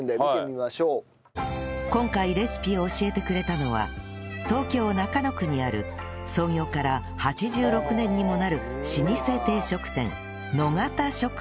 今回レシピを教えてくれたのは東京中野区にある創業から８６年にもなる老舗定食店野方食堂さん